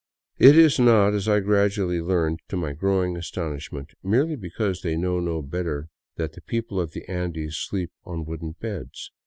It is not, as I gradually learned to my growing astonishment, merely because they know no better that the people of the Andes sleep on wooden beds.